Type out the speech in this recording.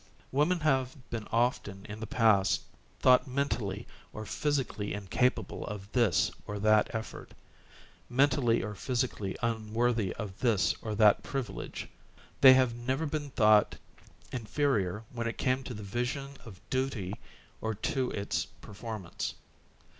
Women liave been often, in the past, thought mentally or phys ically incapable of this or that effort, mentally or physically unworthy of this or that privilege, they have never been thought inferior when it came to the vision of duty or to its performance.